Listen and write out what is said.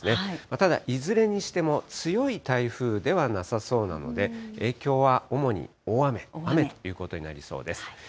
ただ、いずれにしても強い台風ではなさそうなので、影響は主に大雨、雨ということになりそうです。